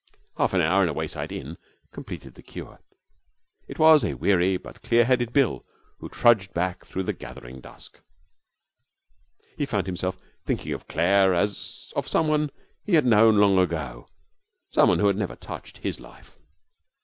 Half an hour at a wayside inn completed the cure. It was a weary but clear headed Bill who trudged back through the gathering dusk. He found himself thinking of Claire as of someone he had known long ago, someone who had never touched his life.